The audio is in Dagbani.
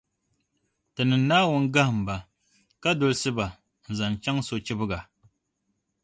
Tinim’ Naawuni gahim ba, ka dolsi ba n-zaŋ chaŋ sochibga.